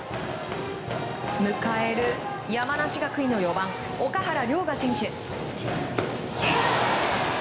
迎える山梨学院の４番、岳原陵河選手。